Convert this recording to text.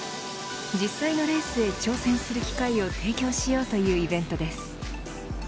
実際のレースへ挑戦する機会を提供しようというイベントです。